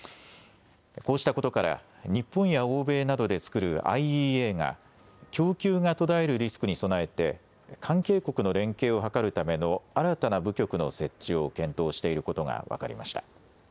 こうしたことから日本や欧米などで作るＩＥＡが供給が途絶えるリスクに備えて関係国の連携を図るための新たな部局の設置を検討していることが分かりました。